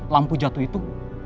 lampu jatuh itu